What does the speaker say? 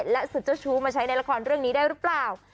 และสุดเจ้าชู้มาใช้ในละครเรื่องนี้ได้หรือเปล่า